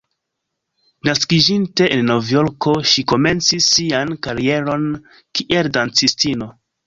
Naskiĝinte en Novjorko, ŝi komencis sian karieron kiel dancistino.